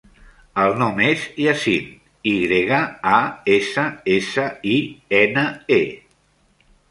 El nom és Yassine: i grega, a, essa, essa, i, ena, e.